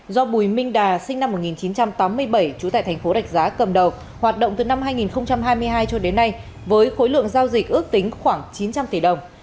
do bùi minh đà sinh năm một nghìn chín trăm tám mươi bảy trú tại thành phố đạch giá cầm đầu hoạt động từ năm hai nghìn hai mươi hai cho đến nay với khối lượng giao dịch ước tính khoảng chín trăm linh tỷ đồng